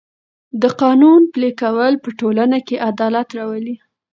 د قانون پلي کول په ټولنه کې عدالت راولي.